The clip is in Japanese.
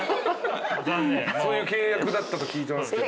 そういう契約だったと聞いてますけど。